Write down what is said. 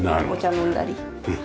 飲んだり。